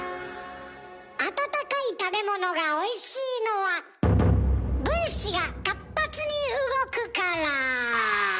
温かい食べ物がおいしいのは分子が活発に動くから。